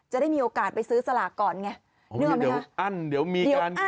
หลักก่อนไง